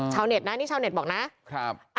เน็ตนะนี่ชาวเน็ตบอกนะครับ